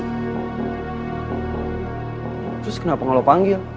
terus kenapa gak lo panggil